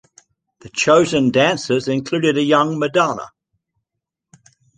The chosen dancers included a young Madonna.